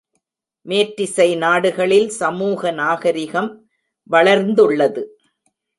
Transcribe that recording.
மேற்றிசை நாடுகளில் சமூக நாகரிகம் வளர்ந்துள்ளது.